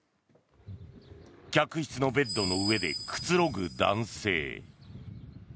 客室のベッドの上でくつろぐ男性。